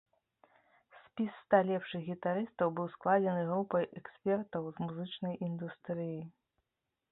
Спіс ста лепшых гітарыстаў быў складзены групай экспертаў з музычнай індустрыі.